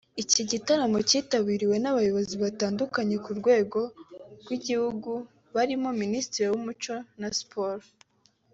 Iki gitaramo cyitabiriwe n’abayobozi batandukanye ku rwego rw’igihugu barimo Minisitiri w’Umuco na Siporo